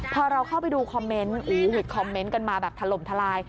พอเราเข้าไปดูคอมเมนต์วิดคอมเมนต์กันมาแบบถล่มทลาย